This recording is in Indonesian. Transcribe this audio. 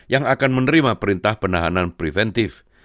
yang akan menerima perintah penahanan preventif